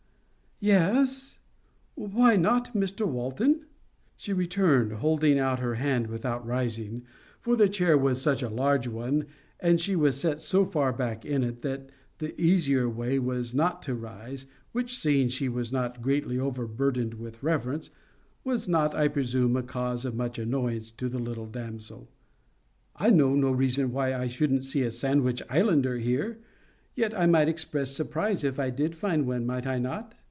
"Yes. Why not, Mr Walton?" she returned, holding out her hand without rising, for the chair was such a large one, and she was set so far back in it that the easier way was not to rise, which, seeing she was not greatly overburdened with reverence, was not, I presume, a cause of much annoyance to the little damsel. "I know no reason why I shouldn't see a Sandwich Islander here. Yet I might express surprise if I did find one, might I not?"